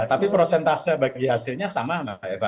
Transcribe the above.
tapi prosentase bagi hasilnya sama mbak eva